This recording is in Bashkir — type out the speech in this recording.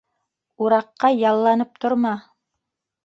Ураҡҡа ялланып торма.